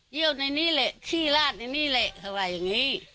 เยี่ยวในนี้เลยขี้ราดในนี้เลยเขาว่าอย่างนี้